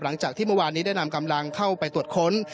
หลังจากที่เมื่อวานนี้ได้นำกำลังเข้าไปตรวจค้น